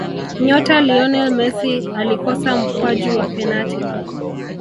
nyota lionel messi alikosa mkwaju wa penati